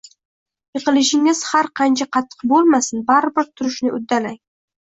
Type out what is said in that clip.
Yiqilishingiz har qancha qattiq bo’lmasin, baribir turishni uddalang